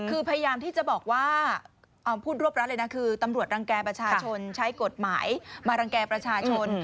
คือพยายามที่จะบอกว่าเอาพูดรวบรัดเลยนะคือตำรวจรังแก่ประชาชนใช้กฎหมายมารังแก่ประชาชน